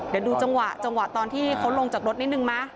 เดี๋ยวดูจังหวะจังหวะตอนที่เขาลงจากรถนิดนึงไหม